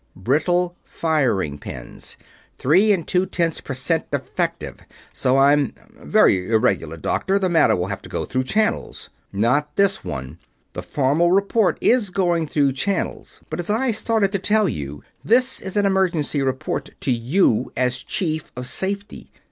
Brittle firing pins. Three and two tenths percent defective. So I'm...." "Very irregular, Doctor. The matter will have to go through channels...." "Not this one. The formal report is going through channels, but as I started to tell you, this is an emergency report to you as Chief of Safety.